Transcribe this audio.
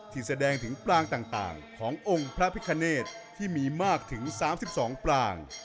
แสดงถึงปลางต่างขององค์พระพิคเนตที่มีมากถึง๓๒ปราง